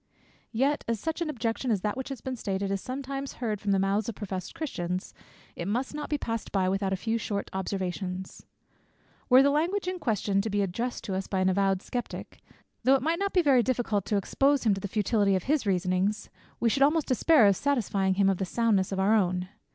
Yet, as such an objection as that which has been stated is sometimes heard from the mouths of professed Christians, it must not be passed by without a few short observations. Were the language in question to be addressed to us by an avowed sceptic, though it might not be very difficult to expose to him the futility of his reasonings, we should almost despair of satisfying him of the soundness of our own.